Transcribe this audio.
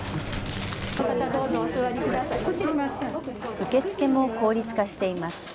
受け付けも効率化しています。